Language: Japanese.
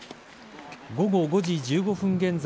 午後５時１５分現在